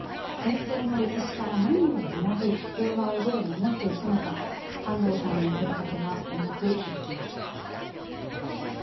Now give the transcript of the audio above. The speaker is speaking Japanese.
戦争の歴史から何を学び、平和をどう守っていくのか、半藤さんの問いかけが重く響きます。